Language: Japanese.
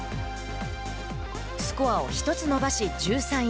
スコアを１つ伸ばし１３位。